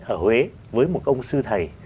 ở huế với một ông sư thầy